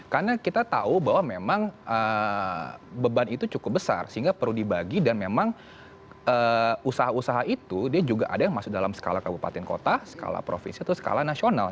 karena kita tahu bahwa memang beban itu cukup besar sehingga perlu dibagi dan memang usaha usaha itu dia juga ada yang masuk dalam skala kabupaten kota skala provinsi skala nasional